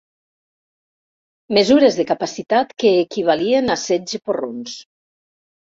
Mesures de capacitat que equivalien a setze porrons.